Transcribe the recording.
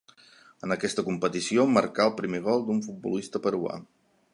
En aquesta competició marcà el primer gol d'un futbolista peruà.